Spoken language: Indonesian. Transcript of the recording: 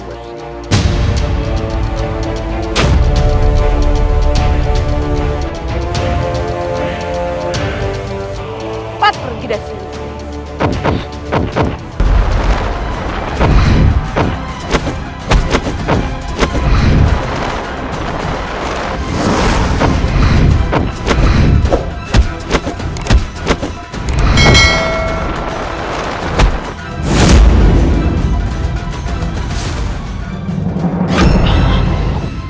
pat pergi dari sini